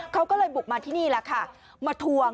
เขาก็เลยบุกมาที่นี่แหละค่ะมาทวง